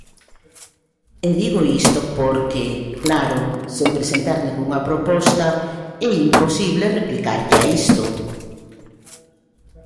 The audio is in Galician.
E digo isto porque, claro, sen presentar ningunha proposta é imposible replicarlle a isto.